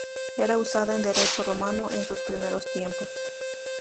Era usada en Derecho romano en sus primeros tiempos.